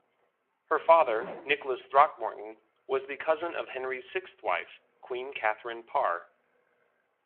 Her father, Nicholas Throckmorton, was the cousin of Henry's sixth wife, Queen Catherine Parr.